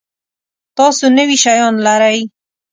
تاسو نوي شیان لرئ؟